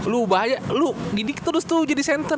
lo ubah aja lo didik terus tuh jadi center ya